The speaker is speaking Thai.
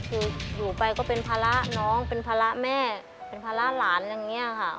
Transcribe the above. คืออยู่ไปก็เป็นภาระน้องเป็นภาระแม่เป็นภาระหลานอย่างนี้ค่ะ